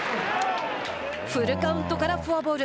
フルカウントからフォアボール。